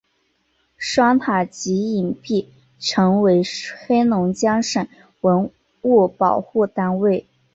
双塔及影壁成为黑龙江省文物保护单位。